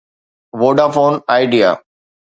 Vodafone Idea